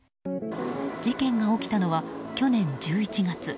事件が起きたのは去年１１月。